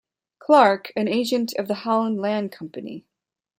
Clark, an agent of the Holland Land Company.